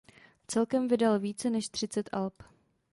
Celkem vydal více než třicet alb.